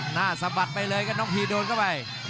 หน้าสะบัดไปเลยน้องพีโดนเข้าไป